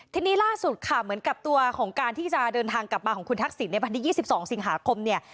ทีนี้ล่าสุดค่ะเหมือนกับตัวของการที่จะเดินทางกลับมาของคุณทักษิณในวันที่๒๒สิงหาคมเนี่ย